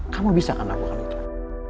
kamu bisa kan aku akan lakukan